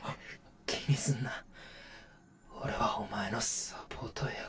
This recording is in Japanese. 気にすんな俺はお前のサポート役だ。